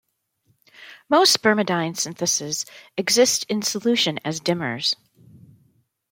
Most spermidine synthases exist in solution as dimers.